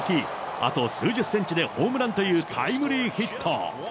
あと数十センチでホームランというタイムリーヒット。